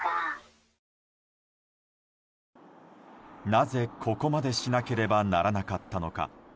なぜ、ここまでしなければならなかったのか。